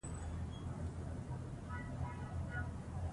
احمدشاه بابا د ولس د ستونزو اورېدونکی و.